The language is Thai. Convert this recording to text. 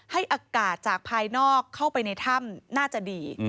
อากาศจากภายนอกเข้าไปในถ้ำน่าจะดี